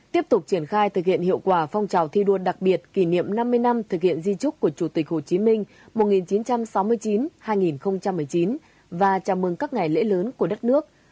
tiếp tục triển khai thực hiện hiệu quả phong trào thi đua đặc biệt kỷ niệm năm mươi năm thực hiện di trúc của chủ tịch hồ chí minh một nghìn chín trăm sáu mươi chín hai nghìn một mươi chín và chào mừng các ngày lễ lớn của đất nước